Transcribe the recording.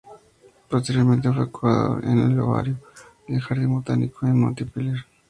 Posteriormente, fue curador en el herbario y el jardín botánico en Montpellier.